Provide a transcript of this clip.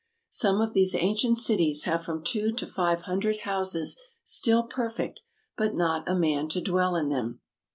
Some of these ancient cities have from two to five hundred houses still perfect, but not a man to dwell in them.